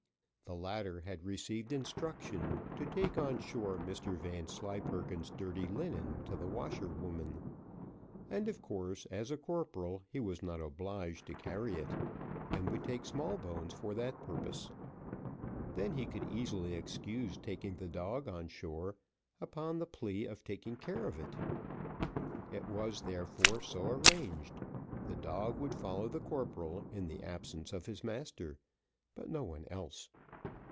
The latter had received instruction to take on shore Mr Vanslyperken's dirty linen to the washerwoman, and of course, as a corporal, he was not obliged to carry it, and would take Smallbones for that purpose. Then he could easily excuse taking the dog on shore, upon the plea of taking care of it. It was therefore so arranged; the dog would follow the corporal in the absence of his master, but no one else.